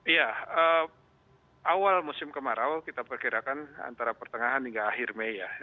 iya awal musim kemarau kita perkirakan antara pertengahan hingga akhir mei ya